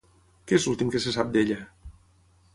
Què és l'últim que se sap d'ella?